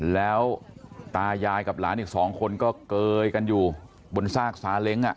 แล้วตายายกับหลานอีกสองคนก็เกยกันอยู่บนซากซาเล้ง